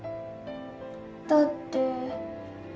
だって。